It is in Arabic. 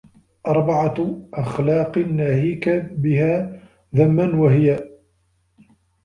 أَرْبَعَةُ أَخْلَاقٍ نَاهِيكَ بِهَا ذَمًّا وَهِيَ